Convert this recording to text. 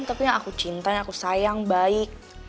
tapi yang aku cinta yang aku sayang baik